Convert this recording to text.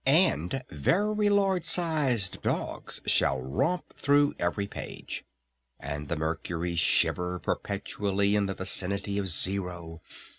And very large sized dogs shall romp through every page! And the mercury shiver perpetually in the vicinity of zero!